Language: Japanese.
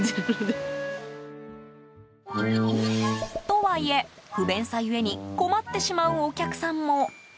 とはいえ、不便さゆえに困ってしまうお客さんも。